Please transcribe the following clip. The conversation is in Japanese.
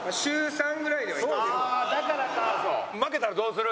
負けたらどうする？